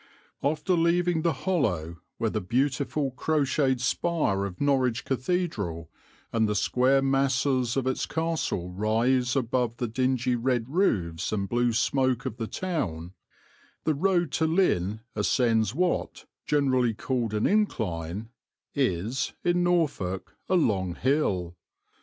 "After leaving the hollow where the beautiful crochetted spire of Norwich Cathedral and the square masses of its castle rise above the dingy red roofs and blue smoke of the town, the road to Lynn ascends what, generally called an incline, is in Norfolk a long hill.